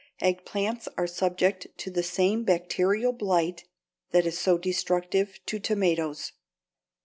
Eggplants are subject to the same bacterial blight that is so destructive to tomatoes.